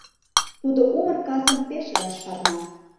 Тудо умыр касым пеш раш шарна.